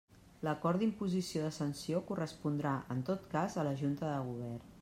L'acord d'imposició de sanció correspondrà, en tot cas, a la Junta de Govern.